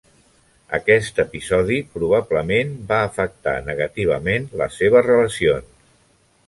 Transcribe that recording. Aquest episodi probablement va afectar negativament les seves relacions.